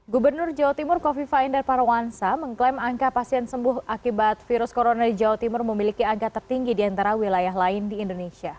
gubernur jawa timur kofifa indar parawansa mengklaim angka pasien sembuh akibat virus corona di jawa timur memiliki angka tertinggi di antara wilayah lain di indonesia